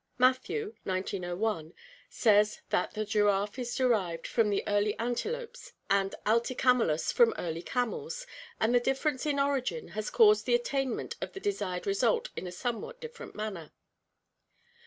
Matthew (1901) says that the giraffe is derived from the early antelopes and AUicamelus from early camels, and the difference in origin has caused the attainment of the desired result in a somewhat different manner.